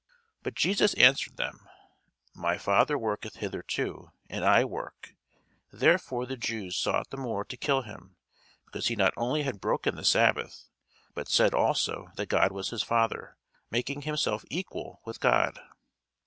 But Jesus answered them, My Father worketh hitherto, and I work. Therefore the Jews sought the more to kill him, because he not only had broken the sabbath, but said also that God was his Father, making himself equal with God.